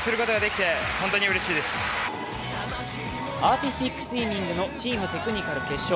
アーティスティックスイミングのチームテクニカル決勝。